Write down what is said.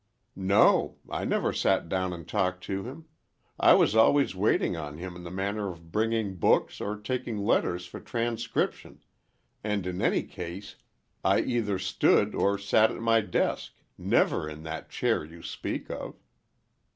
"No; I never sat down and talked to him. I was always waiting on him in the matter of bringing books or taking letters for transcription, and in any case, I either stood, or sat at my desk, never in that chair you speak of."